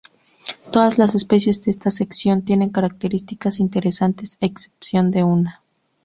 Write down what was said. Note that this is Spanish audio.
Todas las especies de esta sección tienen características interesantes a excepción de una.